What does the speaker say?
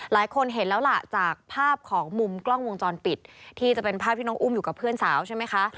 หลายคนเห็นแล้วล่ะจากภาพของมุมกล้องวงจรปิดที่จะเป็นภาพที่น้องอุ้มอยู่กับเพื่อนสาวใช่ไหมคะ